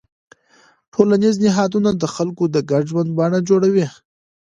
ټولنیز نهادونه د خلکو د ګډ ژوند بڼه جوړوي.